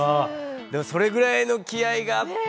でもそれぐらいの気合いがあって。